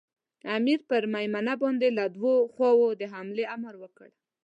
امیر پر مېمنه باندې له دوو خواوو د حملې امر وکړ.